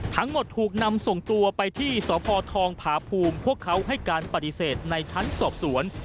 ทั้งหมดถูกนำส่งตัวไปที่สพทองผาภูมิพวกเขาให้การปฏิเสธในชั้นสอบสวน